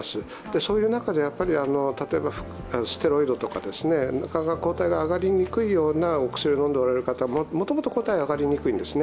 そういう中で、ステロイドとかなかなか抗体が上がりにくいようなお薬を飲んでおられる方は、もともと抗体が上がりにくいんですね。